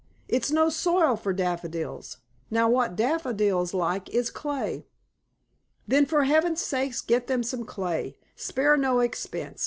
It's no soil for daffodils. Now what daffodils like is clay." "Then for heaven's sake get them some clay. Spare no expense.